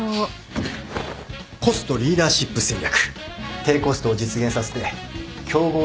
コストリーダーシップ戦略低コストを実現させて競合より優位に立つ戦略だ